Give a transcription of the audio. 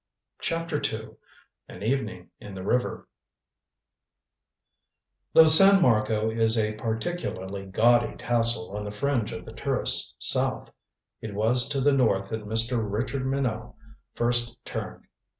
CHAPTER II AN EVENING IN THE RIVER Though San Marco is a particularly gaudy tassel on the fringe of the tourist's South, it was to the north that Mr. Richard Minot first turned.